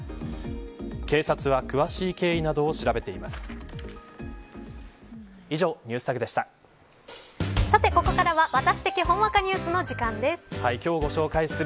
警察は詳しい経緯などを調べています。